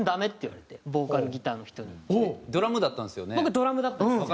ドラムだったんですよね？